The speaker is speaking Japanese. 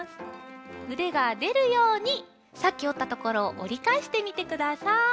うでがでるようにさっきおったところをおりかえしてみてください。